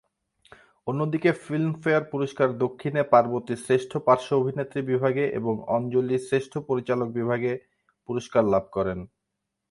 অন্যদিকে ফিল্মফেয়ার পুরস্কার দক্ষিণে পার্বতী শ্রেষ্ঠ পার্শ্ব অভিনেত্রী বিভাগে এবং অঞ্জলি শ্রেষ্ঠ পরিচালক বিভাগে পুরস্কার লাভ করেন।